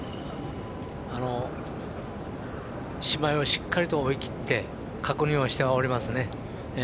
しっかりと追い切って確認をしていますね。